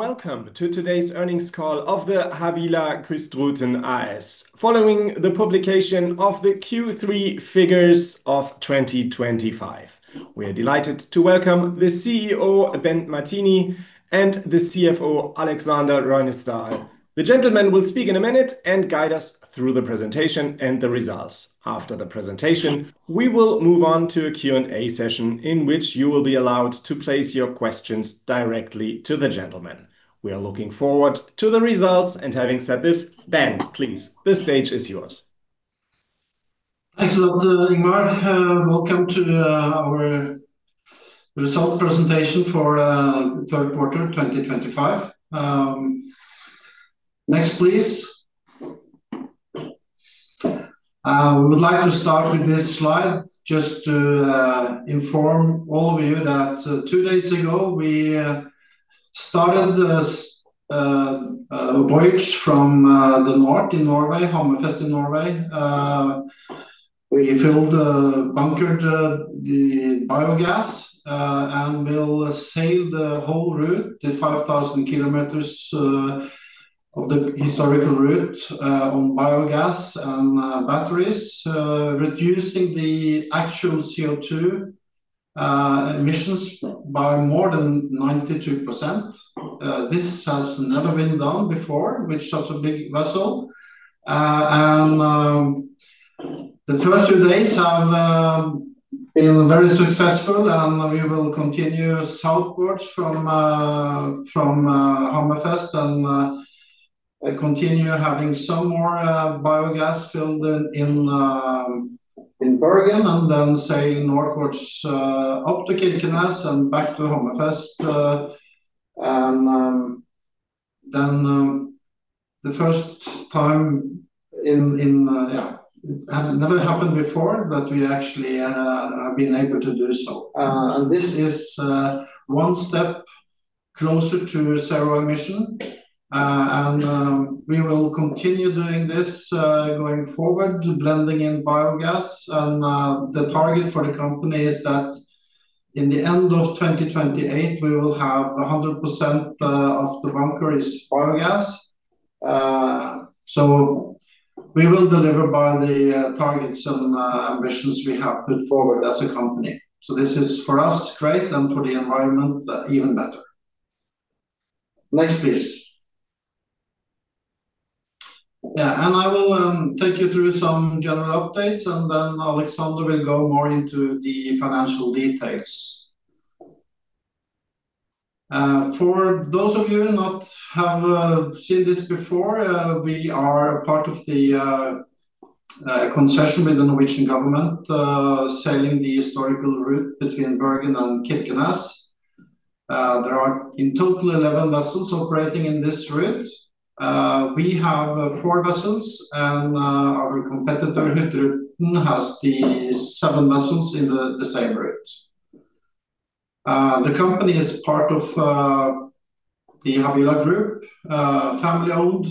Welcome to today's earnings call of Havila Kystruten AS, following the publication of the Q3 figures of 2025. We are delighted to welcome the CEO, Bent Martini, and the CFO, Aleksander Røynesdal. The gentlemen will speak in a minute and guide us through the presentation and the results. After the presentation, we will move on to a Q&A session in which you will be allowed to place your questions directly to the gentlemen. We are looking forward to the results, and having said this, Bent, please, the stage is yours. Thanks a lot, Ingmar. Welcome to our result presentation for the third quarter 2025. Next, please. We would like to start with this slide just to inform all of you that two days ago we started the voyage from the north in Norway, Hammerfest in Norway. We filled, bunkered the biogas and will sail the whole route, the 5,000 kilometers of the historical route on biogas and batteries, reducing the actual CO2 emissions by more than 92%. This has never been done before, which is such a big vessel. The first two days have been very successful, and we will continue southwards from Hammerfest and continue having some more biogas filled in Bergen and then sail northwards up to Kirkenes and back to Hammerfest. The first time in, yeah, it had never happened before that we actually have been able to do so. This is one step closer to zero emission, and we will continue doing this going forward, blending in biogas. The target for the company is that in the end of 2028, we will have 100% of the bunker is biogas. We will deliver by the targets and ambitions we have put forward as a company. This is for us great and for the environment even better. Next, please. Yeah, I will take you through some general updates, and then Alexander will go more into the financial details. For those of you who have not seen this before, we are part of the concession with the Norwegian government sailing the historical route between Bergen and Kirkenes. There are in total 11 vessels operating in this route. We have four vessels, and our competitor has the seven vessels in the same route. The company is part of the Havila Group, a family-owned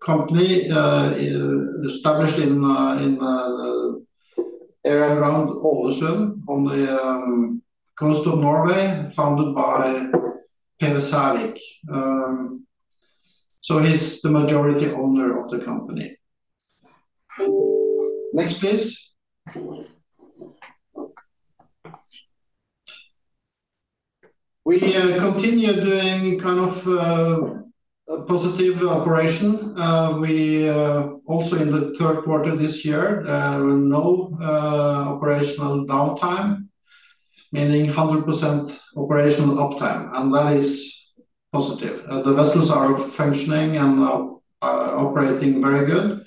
company established in around Ålesund on the coast of Norway, founded by Per Sævik. He is the majority owner of the company. Next, please. We continue doing kind of a positive operation. We also in the third quarter this year, no operational downtime, meaning 100% operational uptime, and that is positive. The vessels are functioning and operating very good.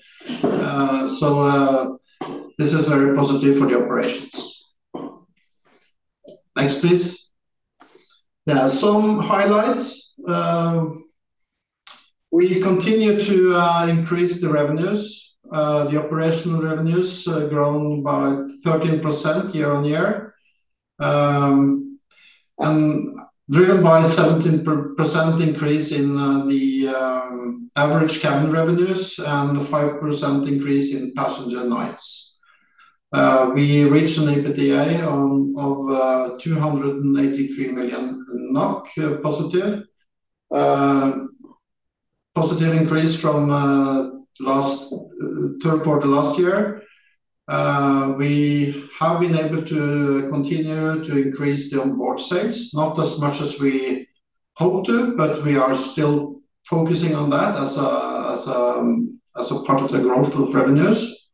This is very positive for the operations. Next, please. Yeah, some highlights. We continue to increase the revenues, the operational revenues grown by 13% year on year, and driven by a 17% increase in the average cabin revenues and a 5% increase in passenger nights. We reached an EBITDA of NOK 283 million positive, positive increase from the third quarter last year. We have been able to continue to increase the onboard sales, not as much as we hoped to, but we are still focusing on that as a part of the growth of revenues.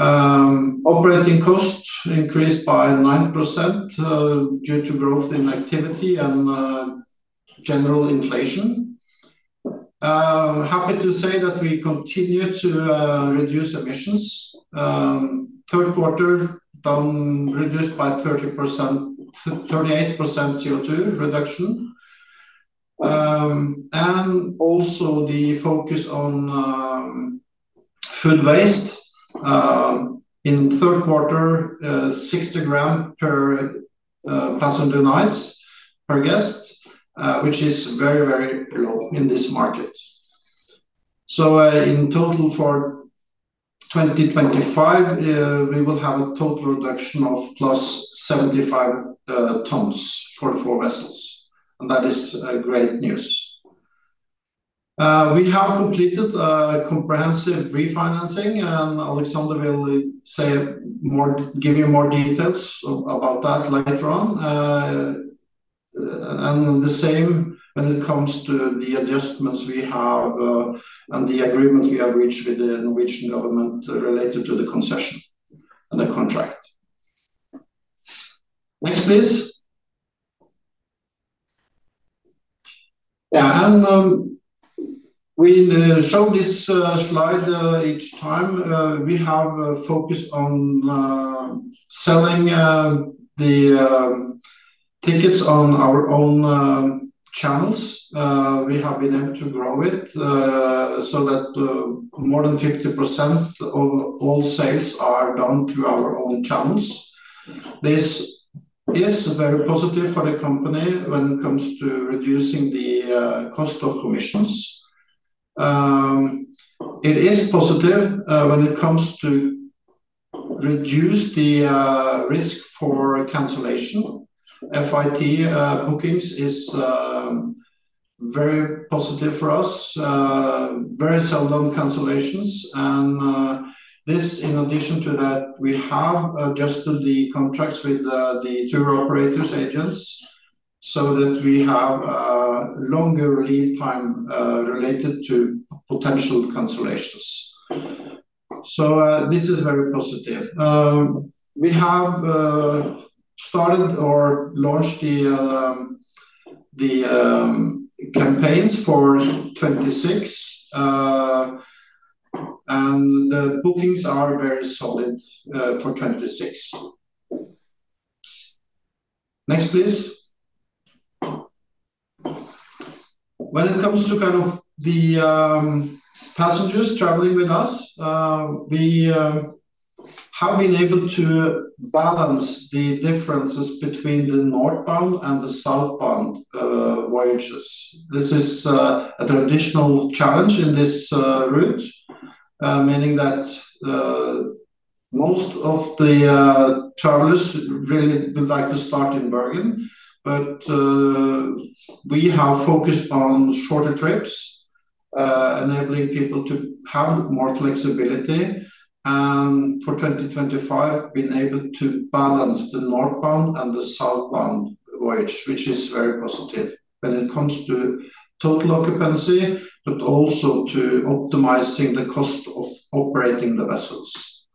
Operating costs increased by 9% due to growth in activity and general inflation. Happy to say that we continue to reduce emissions. Third quarter reduced by 38% CO2 reduction. Also the focus on food waste in the third quarter, 60 grams per passenger nights per guest, which is very, very low in this market. In total for 2025, we will have a total reduction of plus 75 tons for the four vessels, and that is great news. We have completed comprehensive refinancing, and Alexander will give you more details about that later on. The same when it comes to the adjustments we have and the agreement we have reached with the Norwegian government related to the concession and the contract. Next, please. Yeah, we show this slide each time. We have focused on selling the tickets on our own channels. We have been able to grow it so that more than 50% of all sales are done through our own channels. This is very positive for the company when it comes to reducing the cost of commissions. It is positive when it comes to reduce the risk for cancellation. FIT bookings is very positive for us, very seldom cancellations. In addition to that, we have adjusted the contracts with the tour operators' agents so that we have longer lead time related to potential cancellations. This is very positive. We have started or launched the campaigns for 2026, and the bookings are very solid for 2026. Next, please. When it comes to kind of the passengers traveling with us, we have been able to balance the differences between the northbound and the southbound voyages. This is a traditional challenge in this route, meaning that most of the travelers really would like to start in Bergen, but we have focused on shorter trips, enabling people to have more flexibility. For 2025, we've been able to balance the northbound and the southbound voyage, which is very positive when it comes to total occupancy, but also to optimizing the cost of operating the vessels.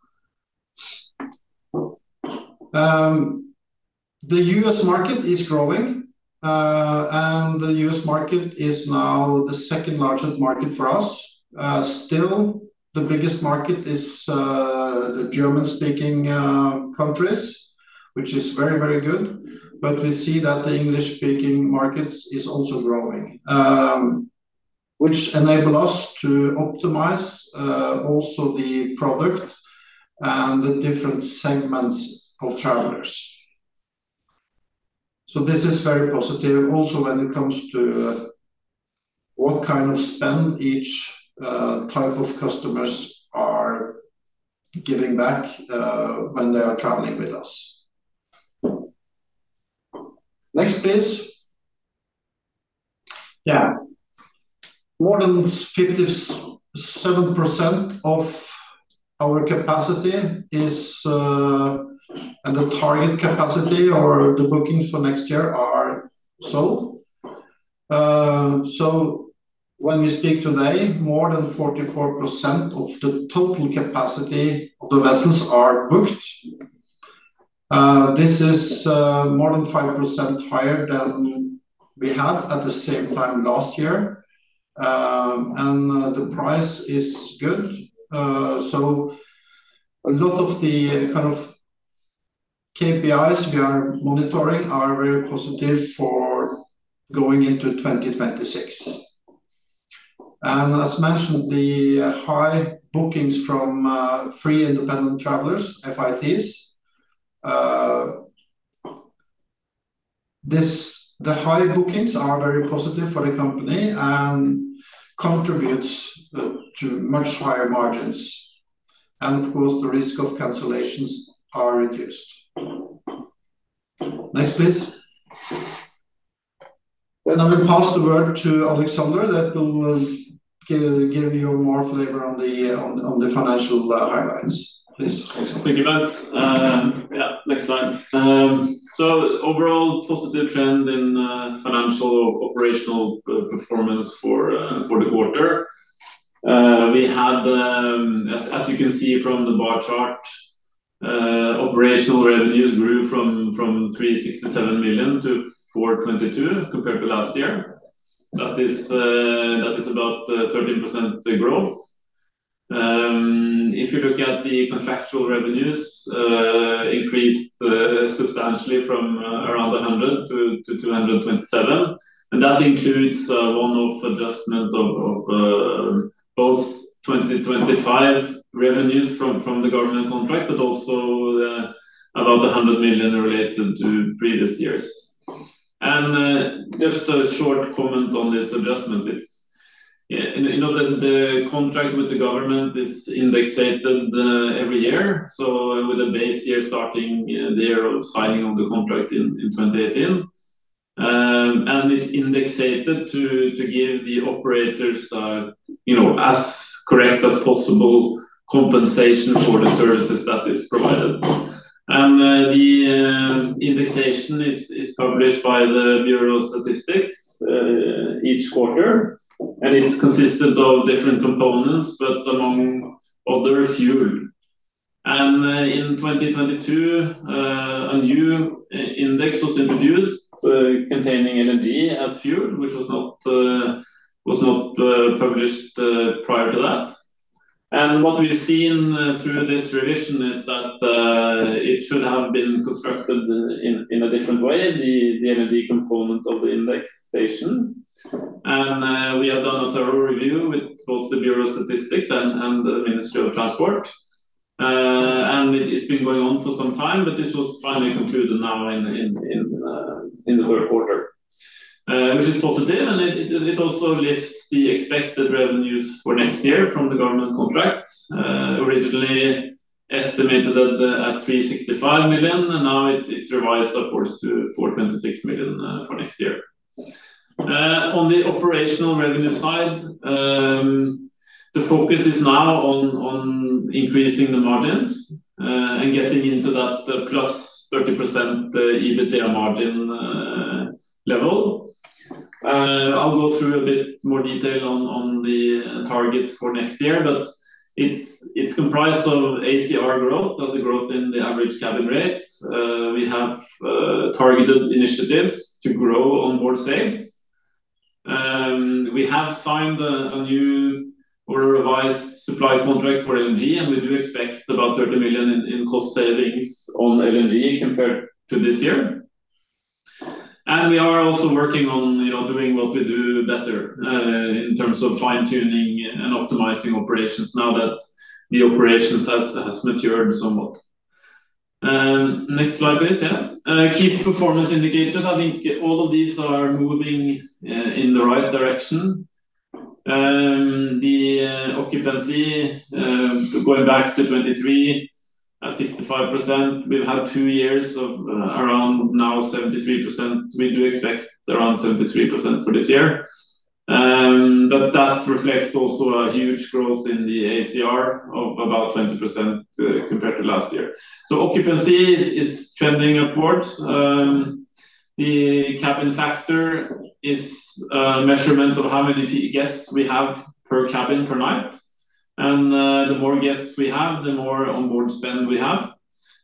The U.S. market is growing, and the U.S. market is now the second largest market for us. Still, the biggest market is the German-speaking countries, which is very, very good, but we see that the English-speaking market is also growing, which enables us to optimize also the product and the different segments of travelers. This is very positive also when it comes to what kind of spend each type of customers are giving back when they are traveling with us. Next, please. Yeah. More than 57% of our capacity is, and the target capacity or the bookings for next year are sold. When we speak today, more than 44% of the total capacity of the vessels are booked. This is more than 5% higher than we had at the same time last year, and the price is good. A lot of the kind of KPIs we are monitoring are very positive for going into 2026. As mentioned, the high bookings from free independent travelers, FITs, the high bookings are very positive for the company and contribute to much higher margins. Of course, the risk of cancellations is reduced. Next, please. I will pass the word to Aleksander that will give you more flavor on the financial highlights. Please. Thank you, Bent. Yeah, next slide. Overall, positive trend in financial operational performance for the quarter. We had, as you can see from the bar chart, operational revenues grew from 367 million-422 million compared to last year. That is about 13% growth. If you look at the contractual revenues, increased substantially from around 100 million-227 million. That includes one-off adjustment of both 2025 revenues from the government contract, but also about 100 million related to previous years. Just a short comment on this adjustment. You know that the contract with the government is indexated every year, with a base year starting the year of signing of the contract in 2018. It is indexated to give the operators as correct as possible compensation for the services that are provided. The indexation is published by the Bureau of Statistics each quarter, and it is consisted of different components, but among other, fuel. In 2022, a new index was introduced containing energy as fuel, which was not published prior to that. What we have seen through this revision is that it should have been constructed in a different way, the energy component of the indexation. We have done a thorough review with both the Bureau of Statistics and the Ministry of Transport. It has been going on for some time, but this was finally concluded now in the third quarter, which is positive. It also lifts the expected revenues for next year from the government contract. Originally estimated at 365 million, and now it is revised upwards to 426 million for next year. On the operational revenue side, the focus is now on increasing the margins and getting into that plus 30% EBITDA margin level. I'll go through a bit more detail on the targets for next year, but it's comprised of ACR growth, that's the growth in the average cabin rate. We have targeted initiatives to grow onboard sales. We have signed a new or revised supply contract for LNG, and we do expect about 30 million in cost savings on LNG compared to this year. We are also working on doing what we do better in terms of fine-tuning and optimizing operations now that the operations have matured somewhat. Next slide, please. Yeah. Key performance indicators. I think all of these are moving in the right direction. The occupancy, going back to 2023 at 65%, we've had two years of around now 73%. We do expect around 73% for this year. That reflects also a huge growth in the ACR of about 20% compared to last year. Occupancy is trending upwards. The cabin factor is a measurement of how many guests we have per cabin per night. The more guests we have, the more onboard spend we have.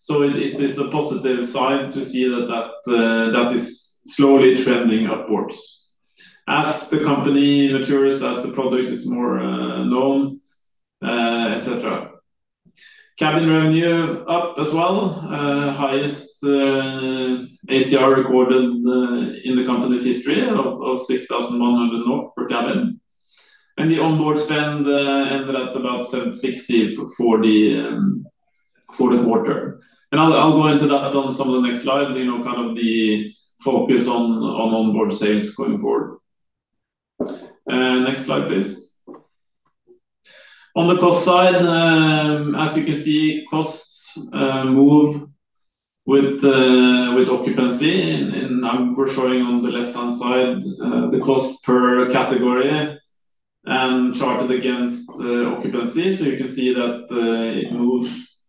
It is a positive sign to see that that is slowly trending upwards as the company matures, as the product is more known, etc. Cabin revenue up as well. Highest ACR recorded in the company's history of 6,100 per cabin. The onboard spend ended at about 60 for the quarter. I'll go into that on some of the next slides, kind of the focus on onboard sales going forward. Next slide, please. On the cost side, as you can see, costs move with occupancy. I'm showing on the left-hand side the cost per category and charted against occupancy. You can see that it moves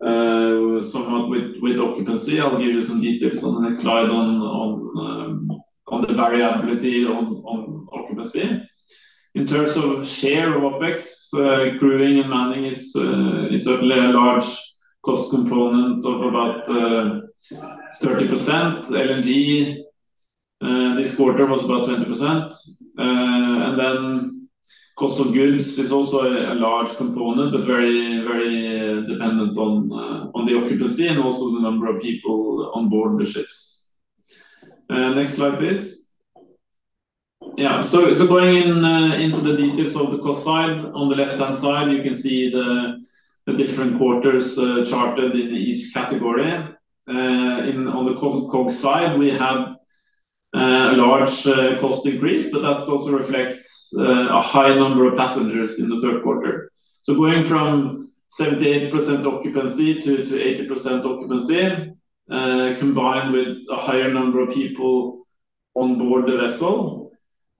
somewhat with occupancy. I'll give you some details on the next slide on the variability on occupancy. In terms of share of OPEX, crewing and manning is certainly a large cost component of about 30%. LNG this quarter was about 20%. Cost of goods is also a large component, but very dependent on the occupancy and also the number of people onboard the ships. Next slide, please. Yeah. Going into the details of the cost side, on the left-hand side, you can see the different quarters charted in each category. On the COG side, we had a large cost increase, but that also reflects a high number of passengers in the third quarter. Going from 78% occupancy to 80% occupancy, combined with a higher number of people onboard the vessel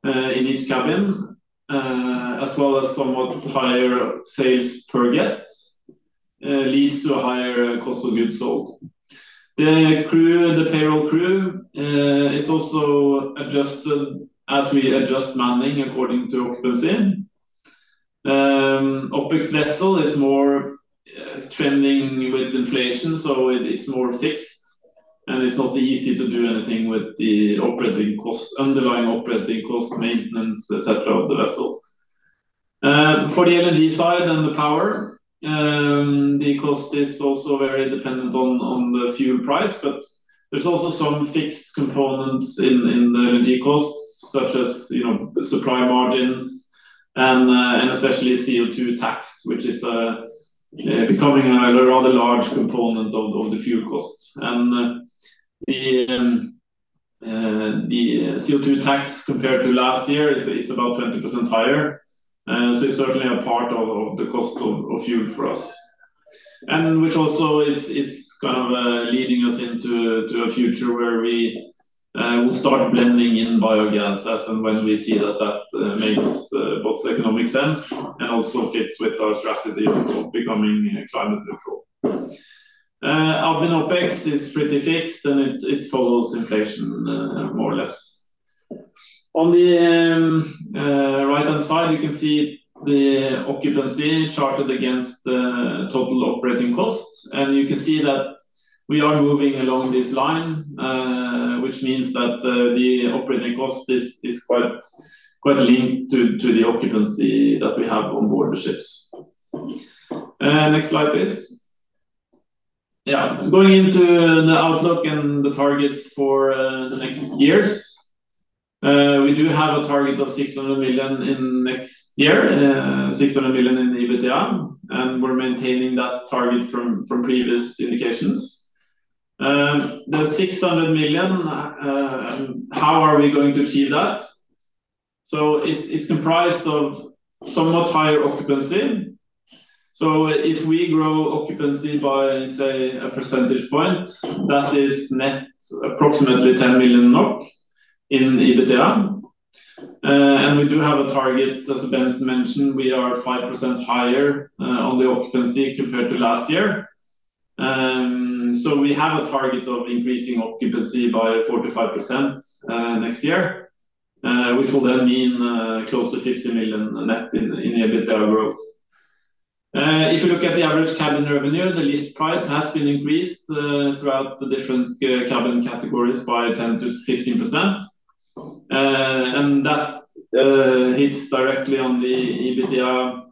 in each cabin, as well as somewhat higher sales per guest, leads to a higher cost of goods sold. The crew, the payroll crew, is also adjusted as we adjust manning according to occupancy. OPEX vessel is more trending with inflation, so it's more fixed, and it's not easy to do anything with the underlying operating cost, maintenance, etc., of the vessel. For the LNG side and the power, the cost is also very dependent on the fuel price, but there's also some fixed components in the LNG costs, such as supply margins and especially CO2 tax, which is becoming a rather large component of the fuel costs. The CO2 tax compared to last year is about 20% higher. It is certainly a part of the cost of fuel for us, which also is kind of leading us into a future where we will start blending in biogas as and when we see that that makes both economic sense and also fits with our strategy of becoming climate neutral. Admin OPEX is pretty fixed, and it follows inflation more or less. On the right-hand side, you can see the occupancy charted against total operating costs. You can see that we are moving along this line, which means that the operating cost is quite linked to the occupancy that we have onboard the ships. Next slide, please. Yeah. Going into the outlook and the targets for the next years, we do have a target of 600 million in next year, 600 million in EBITDA, and we are maintaining that target from previous indications. The 600 million, how are we going to achieve that? It is comprised of somewhat higher occupancy. If we grow occupancy by, say, a percentage point, that is net approximately 10 million NOK in EBITDA. We do have a target, as Bent mentioned, we are 5% higher on the occupancy compared to last year. We have a target of increasing occupancy by 45% next year, which will then mean close to 50 million net in EBITDA growth. If you look at the average cabin revenue, the lease price has been increased throughout the different cabin categories by 10-15%. That hits directly on the EBITDA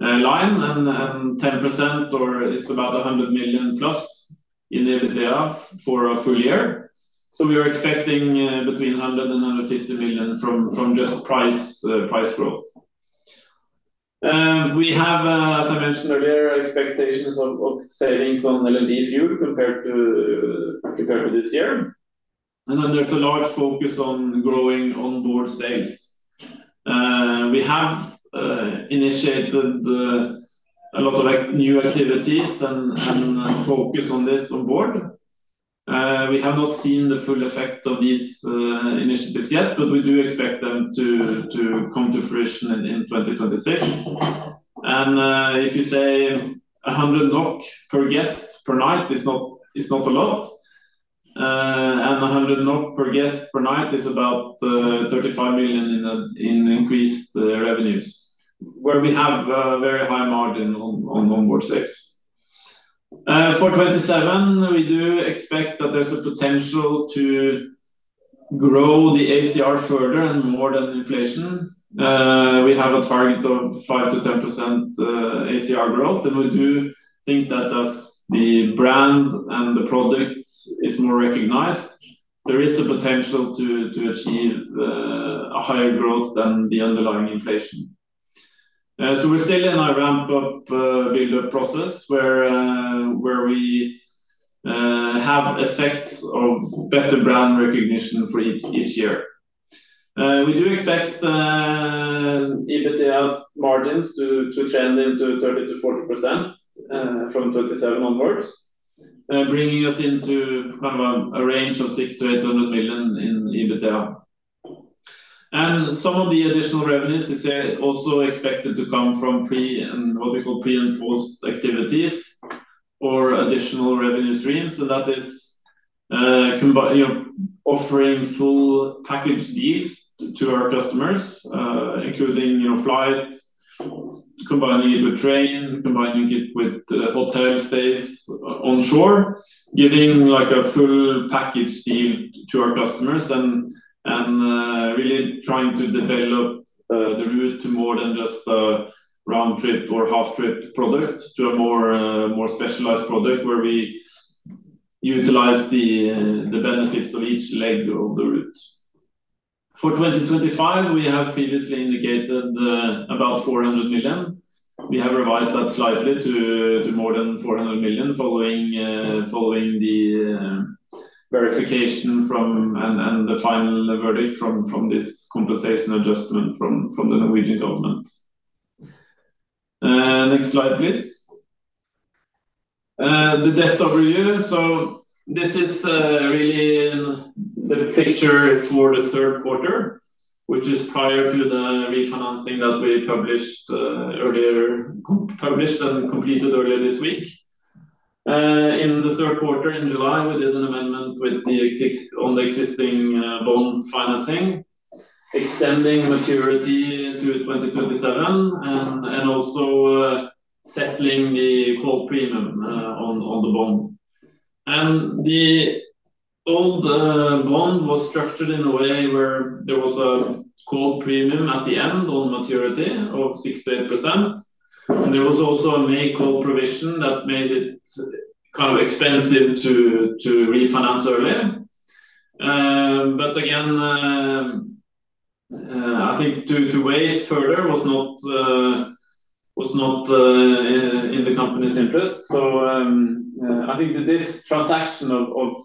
line, and 10% is about 100 million plus in EBITDA for a full year. We are expecting between 100 million-150 million from just price growth. We have, as I mentioned earlier, expectations of savings on LNG fuel compared to this year. There is a large focus on growing onboard sales. We have initiated a lot of new activities and focus on this onboard. We have not seen the full effect of these initiatives yet, but we do expect them to come to fruition in 2026. If you say 100 NOK per guest per night, it is not a lot. 100 NOK per guest per night is about 35 million in increased revenues, where we have a very high margin on onboard sales. For 2027, we do expect that there is a potential to grow the ACR further and more than inflation. We have a target of 5-10% ACR growth. We do think that as the brand and the product is more recognized, there is a potential to achieve a higher growth than the underlying inflation. We are still in a ramp-up build-up process where we have effects of better brand recognition for each year. We do expect EBITDA margins to trend into 30%-40% from 2027 onwards, bringing us into kind of a range of 600 million-800 million in EBITDA. Some of the additional revenues are also expected to come from what we call pre and post-activities or additional revenue streams. That is offering full package deals to our customers, including flights, combining it with train, combining it with hotel stays onshore, giving a full package deal to our customers, and really trying to develop the route to more than just a round-trip or half-trip product to a more specialized product where we utilize the benefits of each leg of the route. For 2025, we have previously indicated about 400 million. We have revised that slightly to more than 400 million following the verification and the final verdict from this compensation adjustment from the Norwegian government. Next slide, please. The debt overview. This is really the picture for the third quarter, which is prior to the refinancing that we published earlier and completed earlier this week. In the third quarter, in July, we did an amendment on the existing bond financing, extending maturity to 2027, and also settling the call premium on the bond. The old bond was structured in a way where there was a call premium at the end on maturity of 6-8%. There was also a make-whole provision that made it kind of expensive to refinance early. I think to wait further was not in the company's interest. I think this transaction of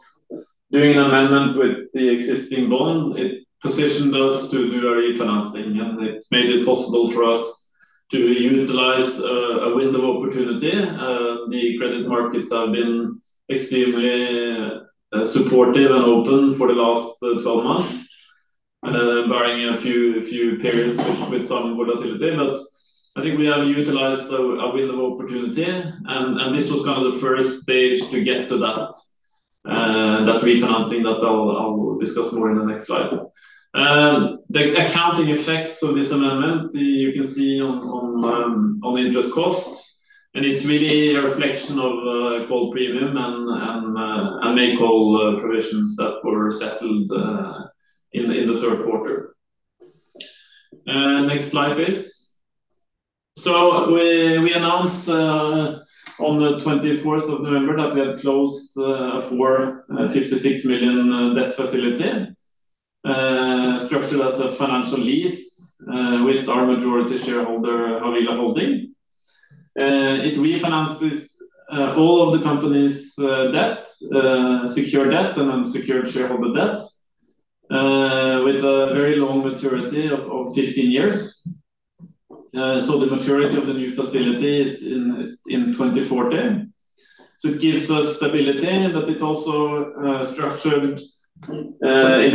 doing an amendment with the existing bond, it positioned us to do a refinancing, and it made it possible for us to utilize a window of opportunity. The credit markets have been extremely supportive and open for the last 12 months, barring a few periods with some volatility. I think we have utilized a window of opportunity. This was kind of the first stage to get to that refinancing that I'll discuss more in the next slide. The accounting effects of this amendment, you can see on interest costs. It's really a reflection of call premium and May call provisions that were settled in the third quarter. Next slide, please. We announced on the 24 November that we had closed a 56 million debt facility structured as a financial lease with our majority shareholder, Havila Holding. It refinances all of the company's debt, secured debt, and unsecured shareholder debt with a very long maturity of 15 years. The maturity of the new facility is in 2040. It gives us stability, but it's also structured in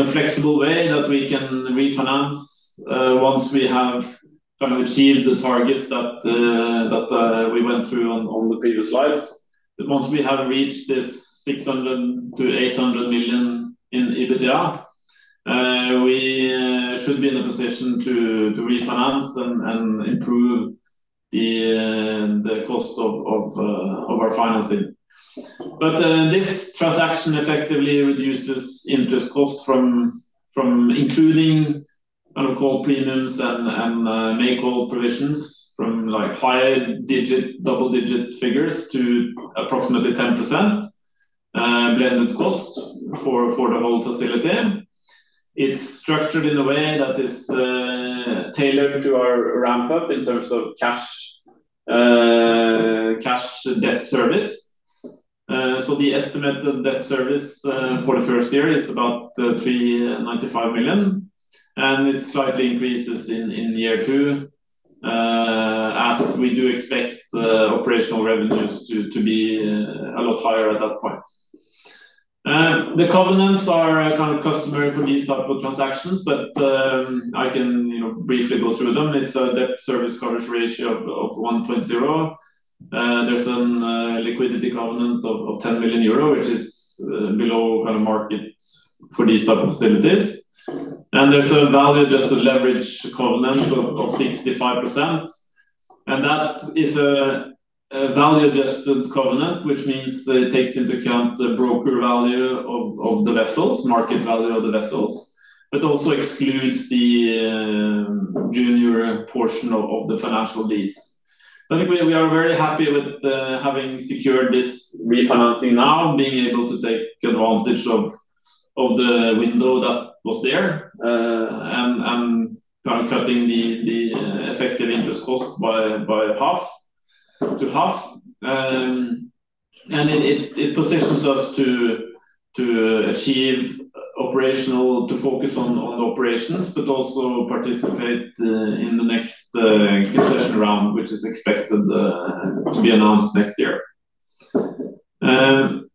a flexible way that we can refinance once we have kind of achieved the targets that we went through on the previous slides. Once we have reached this 600-800 million in EBITDA, we should be in a position to refinance and improve the cost of our financing. This transaction effectively reduces interest cost from including cold premiums and May cold provisions from high-digit, double-digit figures to approximately 10% blended cost for the whole facility. It is structured in a way that is tailored to our ramp-up in terms of cash debt service. The estimated debt service for the first year is about 395 million. It slightly increases in year two as we do expect operational revenues to be a lot higher at that point. The covenants are kind of customary for these types of transactions, but I can briefly go through them. It is a debt service coverage ratio of 1.0. There is a liquidity covenant of 10 million euro, which is below kind of market for these types of facilities. There is a value-adjusted leverage covenant of 65%. That is a value-adjusted covenant, which means it takes into account the broker value of the vessels, market value of the vessels, but also excludes the junior portion of the financial lease. I think we are very happy with having secured this refinancing now, being able to take advantage of the window that was there and kind of cutting the effective interest cost by half to half. It positions us to achieve operational, to focus on the operations, but also participate in the next concession round, which is expected to be announced next year.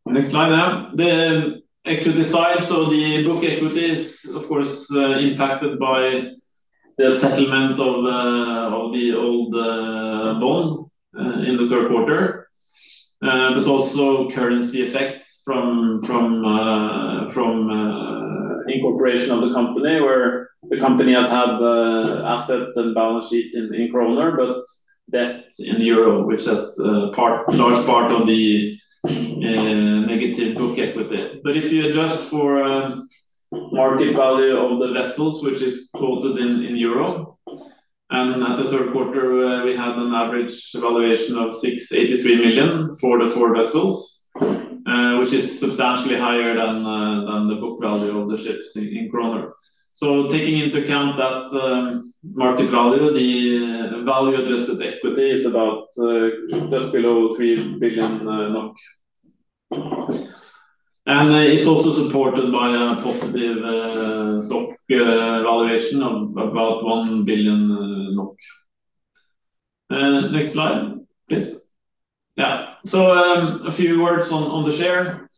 Next slide, yeah. The equity side. The book equity is, of course, impacted by the settlement of the old bond in the third quarter, but also currency effects from incorporation of the company where the company has had asset and balance sheet in kroner, but debt in EUR, which is a large part of the negative book equity. If you adjust for market value of the vessels, which is quoted in EUR, and at the third quarter, we had an average valuation of 683 million for the four vessels, which is substantially higher than the book value of the ships in kroner. Taking into account that market value, the value-adjusted equity is about just below NOK 3 billion. It is also supported by a positive stock valuation of about 1 billion NOK. Next slide, please. Yeah. A few words on the share.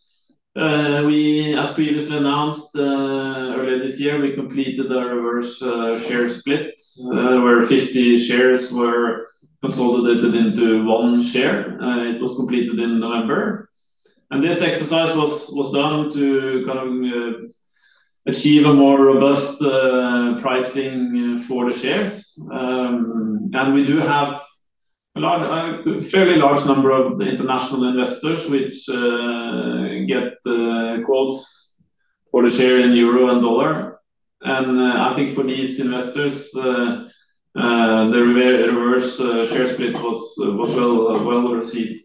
As previously announced earlier this year, we completed a reverse share split where 50 shares were consolidated into one share. It was completed in November. This exercise was done to kind of achieve a more robust pricing for the shares. We do have a fairly large number of international investors which get quotes for the share in EUR and USD. I think for these investors, the reverse share split was well received.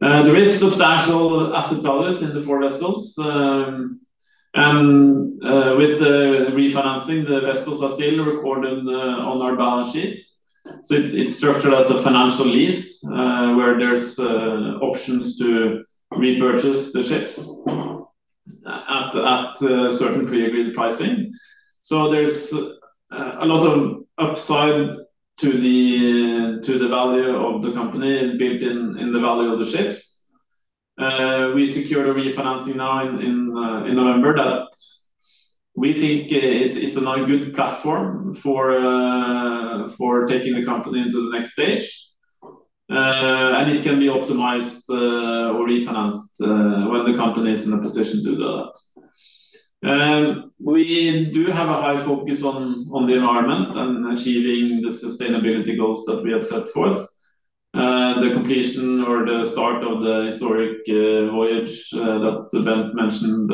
There is substantial asset value in the four vessels. With the refinancing, the vessels are still recorded on our balance sheet. It is structured as a financial lease where there are options to repurchase the ships at certain pre-agreed pricing. There is a lot of upside to the value of the company built in the value of the ships. We secured a refinancing now in November that we think is a good platform for taking the company into the next stage. It can be optimized or refinanced when the company is in a position to do that. We do have a high focus on the environment and achieving the sustainability goals that we have set forth. The completion or the start of the historic voyage that Bent mentioned,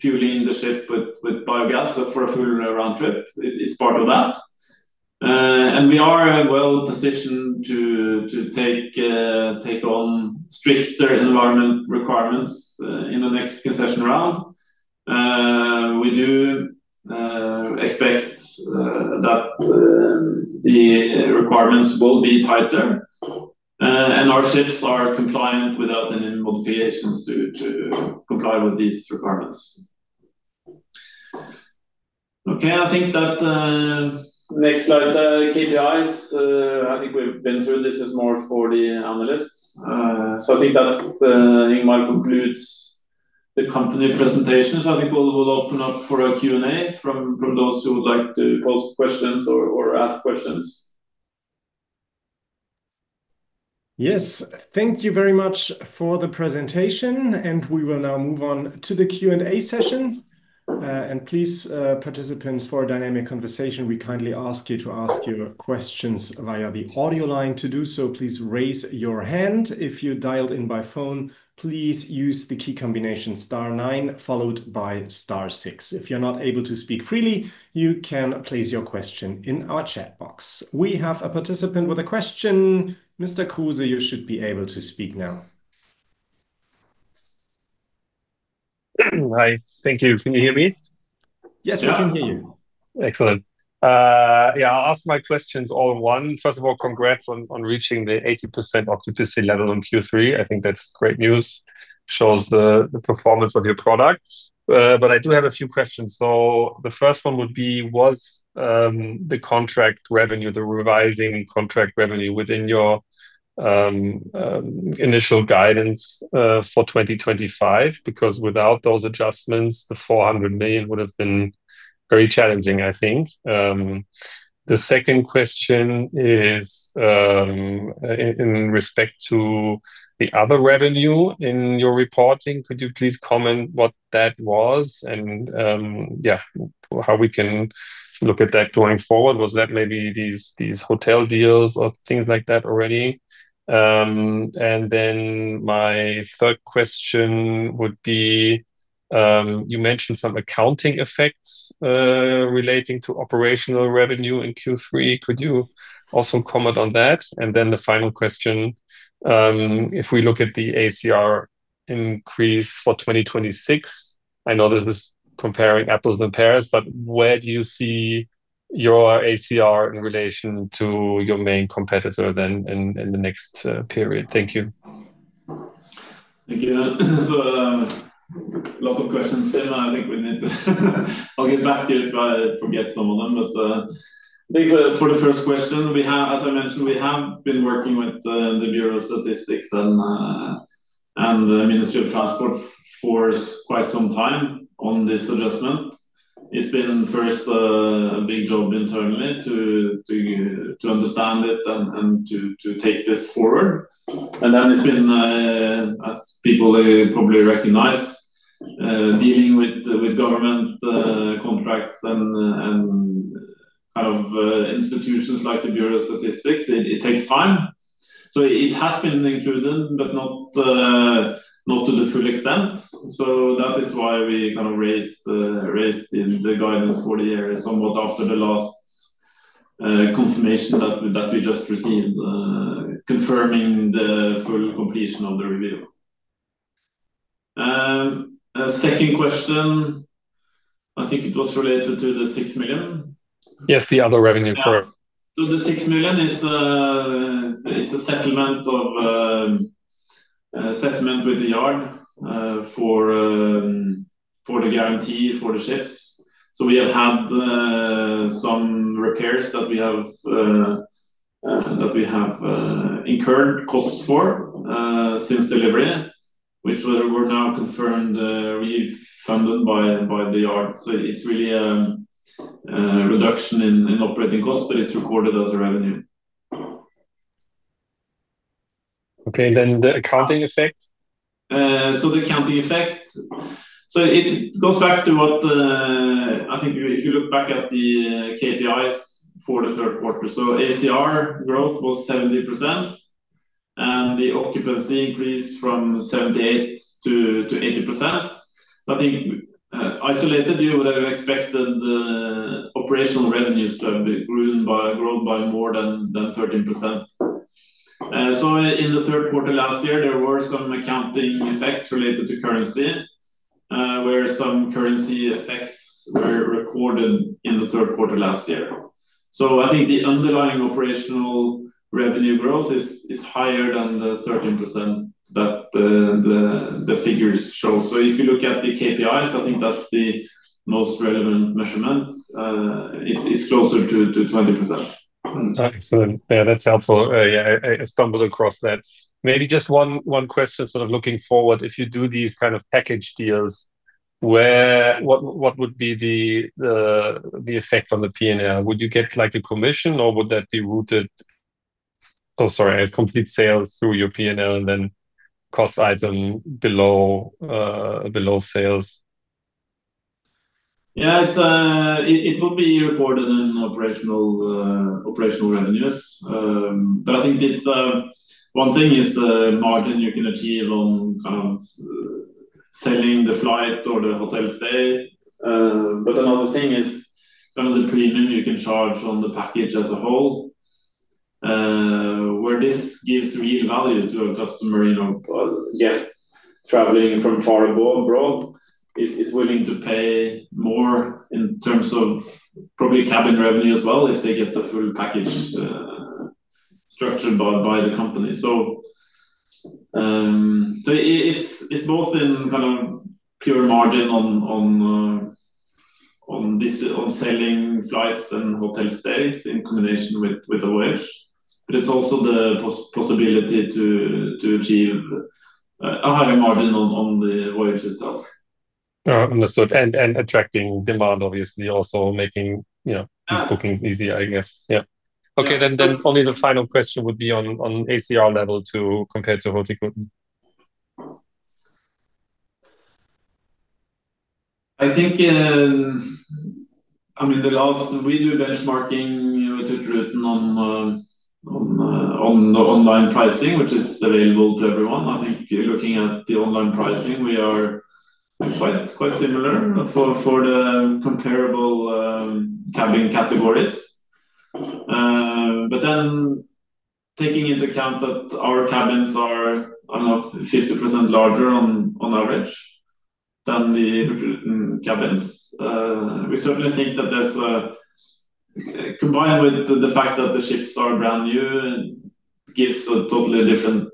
fueling the ship with biogas for a full round trip, is part of that. We are well positioned to take on stricter environment requirements in the next concession round. We do expect that the requirements will be tighter. Our ships are compliant without any modifications to comply with these requirements. Okay. I think that next slide, KPIs, I think we have been through. This is more for the analysts. I think that, Ingmar, concludes the company presentation. I think we'll open up for a Q&A from those who would like to post questions or ask questions. Yes. Thank you very much for the presentation. We will now move on to the Q&A session. Please, participants for Dynamic Conversation, we kindly ask you to ask your questions via the audio line. To do so, please raise your hand. If you dialed in by phone, please use the key combination *9 followed by *6. If you're not able to speak freely, you can place your question in our chat box. We have a participant with a question. Mr. Kuser, you should be able to speak now. Hi. Thank you. Can you hear me? Yes, we can hear you. Excellent. I'll ask my questions all in one. First of all, congrats on reaching the 80% occupancy level on Q3. I think that's great news. Shows the performance of your product. I do have a few questions. The first one would be, was the contract revenue, the revising contract revenue within your initial guidance for 2025? Because without those adjustments, the 400 million would have been very challenging, I think. The second question is in respect to the other revenue in your reporting. Could you please comment what that was and, yeah, how we can look at that going forward? Was that maybe these hotel deals or things like that already? My third question would be, you mentioned some accounting effects relating to operational revenue in Q3. Could you also comment on that? Then the final question, if we look at the ACR increase for 2026, I know this is comparing apples to pears, but where do you see your ACR in relation to your main competitor then in the next period? Thank you. Thank you. A lot of questions. I think we need to—I will get back to you if I forget some of them. I think for the first question, as I mentioned, we have been working with Statistics Norway and the Norwegian Ministry of Transport and Communications for quite some time on this adjustment. It has been first a big job internally to understand it and to take this forward. It has been, as people probably recognize, dealing with government contracts and kind of institutions like Statistics Norway. It takes time. It has been included, but not to the full extent. That is why we kind of raised the guidance for the year somewhat after the last confirmation that we just received, confirming the full completion of the review. Second question, I think it was related to the 6 million. Yes, the other revenue for The 6 million is a settlement with the yard for the guarantee for the ships. We have had some repairs that we have incurred costs for since delivery, which were now confirmed refunded by the yard. It is really a reduction in operating costs, but it is recorded as a revenue. Okay. The accounting effect? The accounting effect goes back to what I think if you look back at the KPIs for the third quarter. ACR growth was 70%, and the occupancy increased from 78% to 80%. I think isolated, you would have expected operational revenues to have grown by more than 13%. In the third quarter last year, there were some accounting effects related to currency where some currency effects were recorded in the third quarter last year. I think the underlying operational revenue growth is higher than the 13% that the figures show. If you look at the KPIs, I think that's the most relevant measurement. It's closer to 20%. Excellent. Yeah, that's helpful. I stumbled across that. Maybe just one question sort of looking forward. If you do these kind of package deals, what would be the effect on the P&L? Would you get a commission, or would that be complete sales through your P&L and then cost item below sales? Yeah, it will be recorded in operational revenues. I think one thing is the margin you can achieve on kind of selling the flight or the hotel stay. Another thing is kind of the premium you can charge on the package as a whole, where this gives real value to a customer. Guests traveling from far abroad are willing to pay more in terms of probably cabin revenue as well if they get the full package structured by the company. It is both in kind of pure margin on selling flights and hotel stays in combination with the voyage. It is also the possibility to achieve a higher margin on the voyage itself. Understood. Attracting demand, obviously, also making these bookings easier, I guess. Yeah. Okay. The final question would be on ACR level to compare to hotel equipment. I think, I mean, the last we do benchmarking to be written on the online pricing, which is available to everyone. I think looking at the online pricing, we are quite similar for the comparable cabin categories. Then taking into account that our cabins are, I don't know, 50% larger on average than the cabins, we certainly think that there's a, combined with the fact that the ships are brand new, it gives a totally different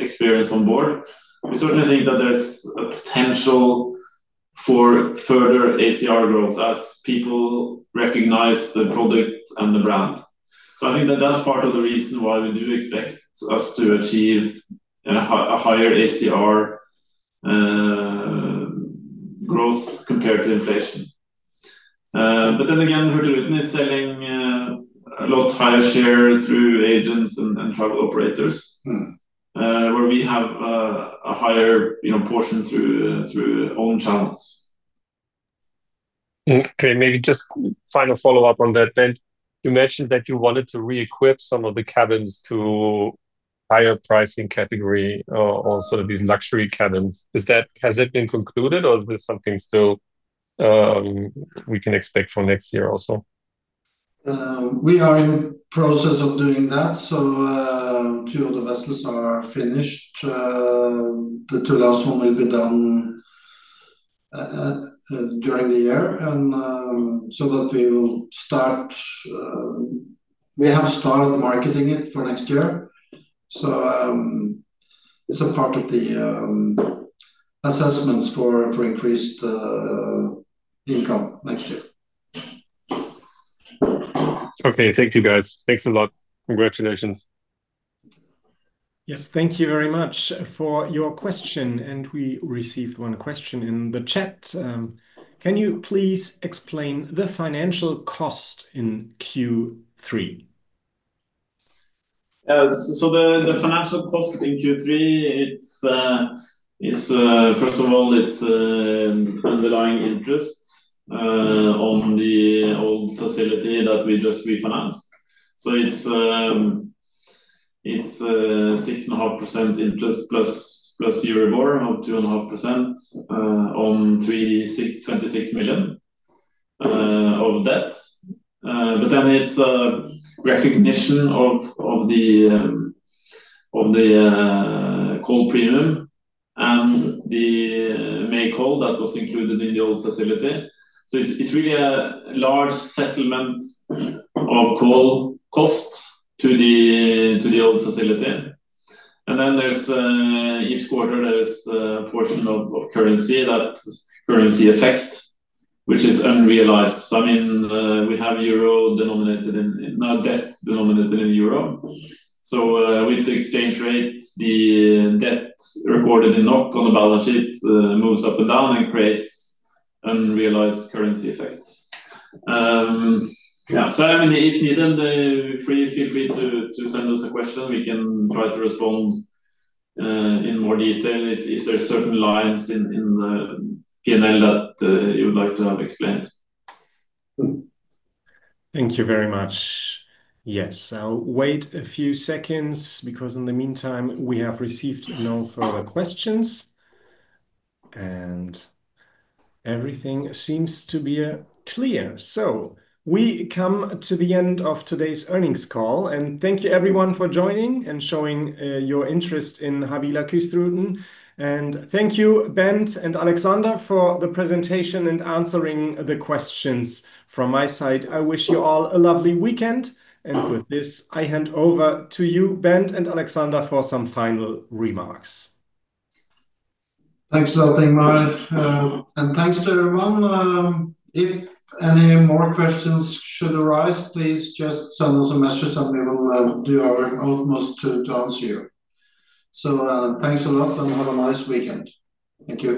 experience on board. We certainly think that there's a potential for further ACR growth as people recognize the product and the brand. I think that that's part of the reason why we do expect us to achieve a higher ACR growth compared to inflation. Hurtigruten is selling a lot higher share through agents and travel operators, where we have a higher portion through own channels. Okay maybe just final follow-up on that, Bent. You mentioned that you wanted to re-equip some of the cabins to higher pricing category or sort of these luxury cabins. Has that been concluded, or is there something still we can expect for next year also? We are in the process of doing that. Two of the vessels are finished. The two last one will be done during the year. That we will start, we have started marketing it for next year. It is a part of the assessments for increased income next year. Okay. Thank you, guys. Thanks a lot. Congratulations. Yes. Thank you very much for your question. We received one question in the chat. Can you please explain the financial cost in Q3? The financial cost in Q3, first of all, it is underlying interest on the old facility that we just refinanced. It is 6.5% interest plus Euribor of 2.5% on EUR 26 million of debt. There is a recognition of the coal premium and the May coal that was included in the old facility. It is really a large settlement of coal cost to the old facility. Each quarter, there is a portion of currency, that currency effect, which is unrealized. I mean, we have euro denominated in debt denominated in euro. With the exchange rate, the debt recorded in NOK on the balance sheet moves up and down and creates unrealized currency effects. I mean, if needed, feel free to send us a question. We can try to respond in more detail if there are certain lines in the P&L that you would like to have explained. Thank you very much. Yes. I'll wait a few seconds because in the meantime, we have received no further questions. Everything seems to be clear. We come to the end of today's earnings call. Thank you, everyone, for joining and showing your interest in Havila Kystruten. Thank you, Bent and Alexander, for the presentation and answering the questions from my side. I wish you all a lovely weekend. With this, I hand over to you, Bent and Alexander, for some final remarks. Thanks a lot, Ingmar. Thanks to everyone. If any more questions should arise, please just send us a message. We will do our utmost to answer you. Thanks a lot and have a nice weekend. Thank you.